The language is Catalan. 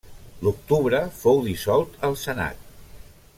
L'octubre fou dissolt el senat.